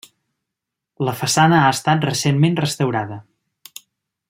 La façana ha estat recentment restaurada.